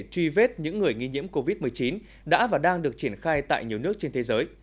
truy vết những người nghi nhiễm covid một mươi chín đã và đang được triển khai tại nhiều nước trên thế giới